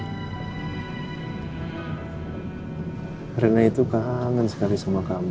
karena itu kangen sekali sama kamu